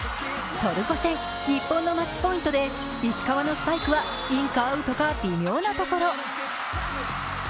トルコ戦、日本のマッチポイントで石川のスパイクはインかアウトか微妙なところ。